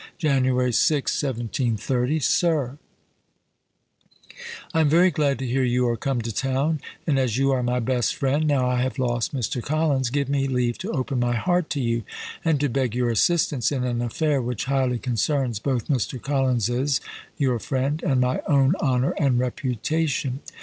SIR, January 6, 1730. I am very glad to hear you are come to town, and as you are my best friend, now I have lost Mr. Collins, give me leave to open my heart to you, and to beg your assistance in an affair which highly concerns both Mr. Collins's (your friend) and my own honour and reputation.